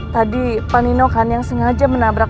tadi panino kan yang sengaja menabrak